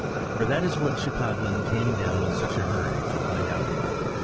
For that is what Cheplahgan came down in such a hurry to find out about.